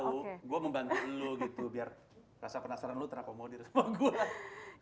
gue mau bantu lo gitu biar rasa penasaran lo terakomodir sama gue